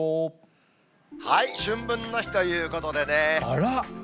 春分の日ということでね。